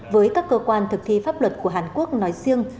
với các cơ quan thực thi pháp luật của hàn quốc nói riêng